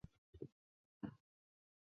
同年从上海大学毕业。